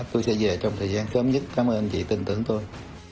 tôi sẽ về trong thời gian sớm nhất cảm ơn anh chị tin tưởng tôi